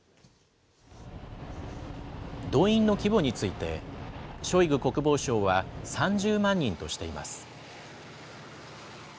動員の規模について、ショイグ国防相は、３０万人としています。